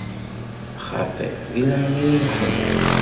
Xaṭi, deg leɛnaya-nkent!